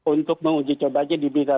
untuk menguji coba aja di